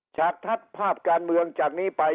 ฉากทัศน์ภาพการเมืองจากนี้ไป